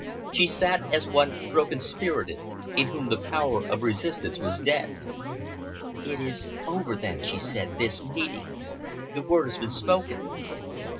She sat as one broken spirited, in whom the power of resistance was dead. "It is over, then," she said softly, "this meeting. The word has been spoken."